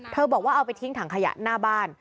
บอกว่าเอาไปทิ้งถังขยะหน้าบ้าน